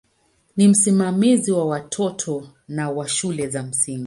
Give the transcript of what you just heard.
Ni msimamizi wa watoto na wa shule za msingi.